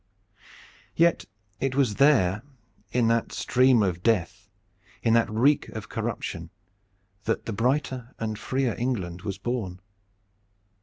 Yet it was there in that stream of death, in that reek of corruption, that the brighter and freer England was born.